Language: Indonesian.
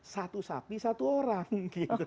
satu sapi satu orang